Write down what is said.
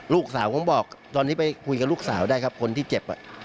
ลูกสาวผมบอกตอนนี้ไปคุยกับลูกสาวได้ครับคนที่เจ็บ